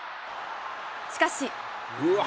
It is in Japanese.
しかし。